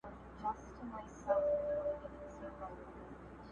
حجره د پښتنو ده څوک به ځي څوک به راځي!!